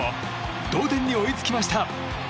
同点に追いつきました。